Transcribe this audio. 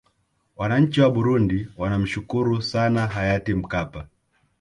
wananchi wa burundi wanamshukuru sana hayati mkapa